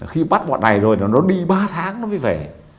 khi bắt bọn này rồi nó đi ba tháng nó mới về